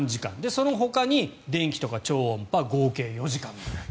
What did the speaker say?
そのほかに電気とか超音波合計４時間ぐらい。